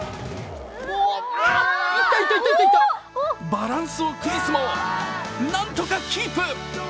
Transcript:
バランスを崩すも、なんとかキープ。